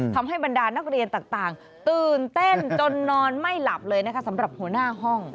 บรรดานักเรียนต่างตื่นเต้นจนนอนไม่หลับเลยนะคะสำหรับหัวหน้าห้อง